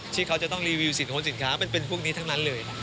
ที่เขาจะต้องรีวิวสินค้าเป็นพวกนี้ทั้งนั้นเลย